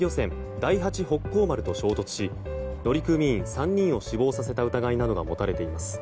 「第八北幸丸」と衝突し乗組員３人を死亡させた疑いなどが持たれています。